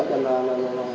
gửi danh tùng